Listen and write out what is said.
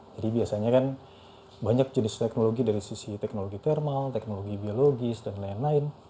jadi biasanya kan banyak jenis teknologi dari sisi teknologi thermal teknologi biologis dan lain lain